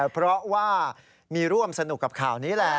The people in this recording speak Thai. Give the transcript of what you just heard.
เพราะว่ามีร่วมสนุกกับข่าวนี้แหละ